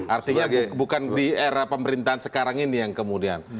artinya bukan di era pemerintahan sekarang ini yang kemudian